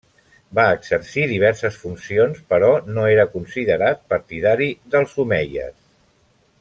Va exercir diverses funcions però no era considerat partidari dels omeies.